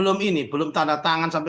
kan masih terikat tanda tangan dengan kip